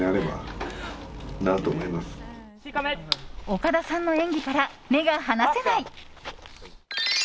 岡田さんの演技から目が離せない。